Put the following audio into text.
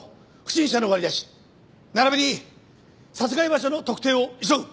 並びに殺害場所の特定を急ぐ。